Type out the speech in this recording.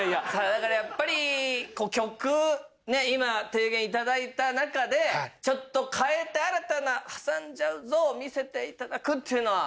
だからやっぱり曲ね今提言頂いた中でちょっと変えて新たな『はさんじゃうぞ！』を見せて頂くっていうのは？